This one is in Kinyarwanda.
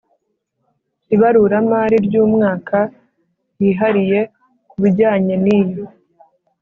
ibaruramari ry umwaka yihariye ku bijyanye n iyo